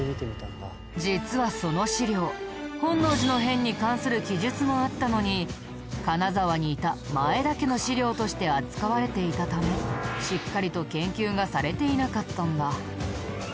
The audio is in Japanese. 実はその史料本能寺の変に関する記述もあったのに金沢にいた前田家の史料として扱われていたためしっかりと研究がされていなかったんだ。